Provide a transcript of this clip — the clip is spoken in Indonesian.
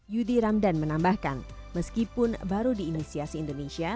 yudi ramdan menambahkan meskipun baru diinisiasi indonesia